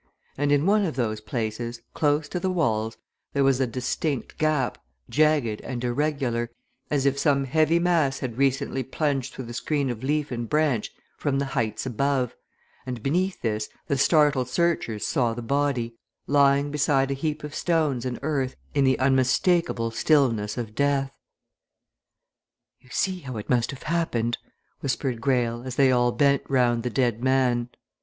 And in one of those places, close to the walls, there was a distinct gap, jagged and irregular, as if some heavy mass had recently plunged through the screen of leaf and branch from the heights above, and beneath this the startled searchers saw the body, lying beside a heap of stones and earth in the unmistakable stillness of death. "You see how it must have happened," whispered Greyle, as they all bent round the dead man.